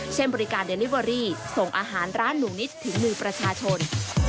บริการเดลิเวอรี่ส่งอาหารร้านหนูนิดถึงมือประชาชน